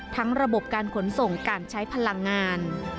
ระบบการขนส่งการใช้พลังงาน